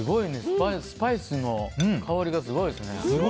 スパイスの香りがすごいですね。